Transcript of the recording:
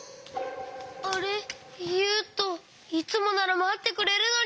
あれゆうといつもならまってくれるのに！